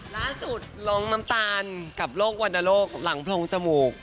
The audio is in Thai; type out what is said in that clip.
ร้องน้ำตาลกับโรควรรณโรคหลังโพรงจมูก